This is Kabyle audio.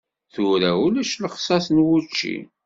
Tura ulac lexṣaṣ n wučči.